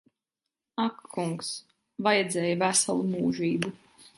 Ak kungs. Vajadzēja veselu mūžību.